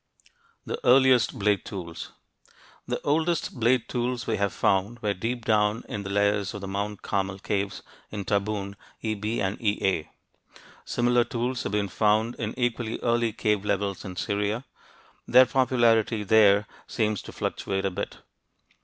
THE EARLIEST BLADE TOOLS The oldest blade tools we have found were deep down in the layers of the Mount Carmel caves, in Tabun Eb and Ea. Similar tools have been found in equally early cave levels in Syria; their popularity there seems to fluctuate a bit.